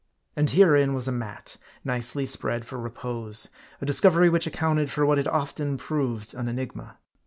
And herein was a mat nicely spread for repose ; a discovery which accounted for what had often proved an enigma.